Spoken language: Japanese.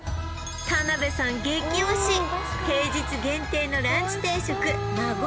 田辺さん激推し平日限定のランチ定食